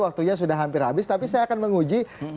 waktunya sudah hampir habis tapi saya akan menguji